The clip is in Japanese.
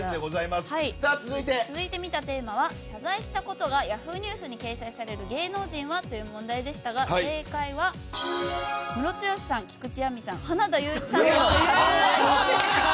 続いて、みたテーマは謝罪したことがＹａｈｏｏ！ニュースに芸能人は？という問題でしたが正解はムロツヨシさん、菊地亜美さん